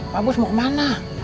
pak bos mau kemana